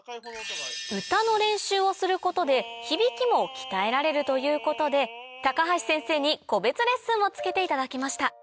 歌の練習をすることで響きも鍛えられるということで高橋先生に個別レッスンをつけていただきました